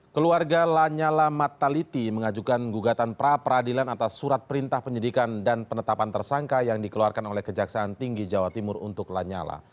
keluarga lanyala mataliti mengajukan gugatan pra peradilan atas surat perintah penyidikan dan penetapan tersangka yang dikeluarkan oleh kejaksaan tinggi jawa timur untuk lanyala